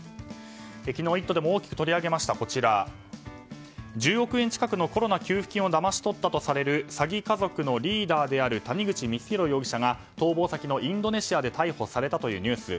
昨日、「イット！」でも大きく取り上げました１０億円近くのコロナ給付金をだまし取ったとされる詐欺家族のリーダーである谷口光弘容疑者が逃亡先のインドネシアで逮捕されたというニュース。